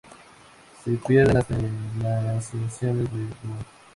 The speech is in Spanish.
Se pierden las terminaciones del dual.